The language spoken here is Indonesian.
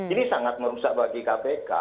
ini sangat merusak bagi kpk